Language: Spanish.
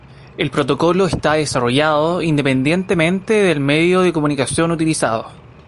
El protocolo está desarrollado independientemente del medio de comunicación utilizado.